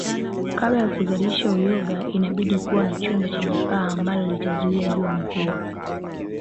Kabla ya kuzalisha uyoga inabidi kuwa na chumba chenye paa ambalo litazuia jua mvua